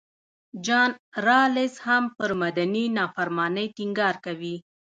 جان رالز هم پر مدني نافرمانۍ ټینګار کوي.